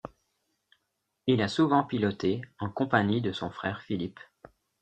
Il a souvent piloté en compagnie de son frère Philippe.